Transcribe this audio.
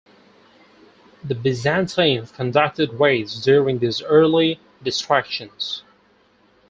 The Byzantines conducted raids during these early distractions.